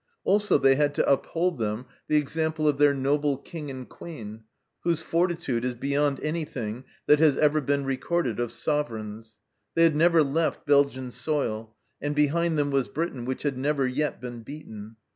Also they had to uphold them the example of their noble King and Queen, whose fortitude is beyond anything that has ever been recorded of Sovereigns. They had never left Belgian soil, and behind them was Britain, which had never yet been beaten.